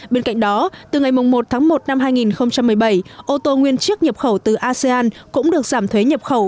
bên cạnh đó từ ngày một tháng một năm hai nghìn một mươi bảy ô tô nguyên chiếc nhập khẩu từ asean cũng được giảm thuế nhập khẩu